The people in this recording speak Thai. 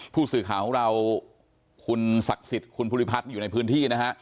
ผู้สื่อข่าวของเราคุณศักดิ์สิทธิ์คุณภูริพัฒน์อยู่ในพื้นที่นะฮะ